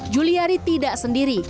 juliari tidak sendiri